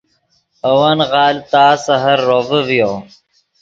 اے ون غالڤ تا سحر روڤے ڤیو